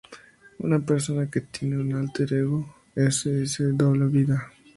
Una persona que tiene un "álter ego" se dice que lleva una doble vida.